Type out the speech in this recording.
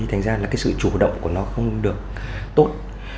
thành ra là cái sự chủ động của nó không được tốt